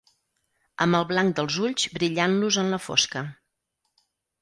Amb el blanc dels ulls brillant-los en la fosca.